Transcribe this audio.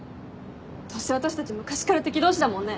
どうせ私たち昔っから敵同士だもんね。